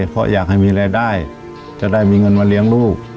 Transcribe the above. เพราะอยากให้มีรายได้จะได้มีเงินมาเลี้ยงลูก